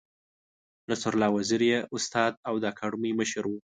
نصرالله وزیر یې استاد او د اکاډمۍ مشر و.